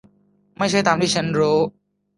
ไม่ใช่ตามที่ฉันรู้